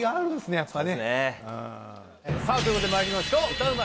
やっぱねということでまいりましょう歌うま